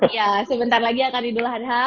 ya sebentar lagi akan idul adha